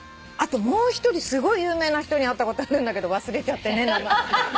あともう１人すごい有名な人に会ったことあるんだけど忘れちゃってね名前。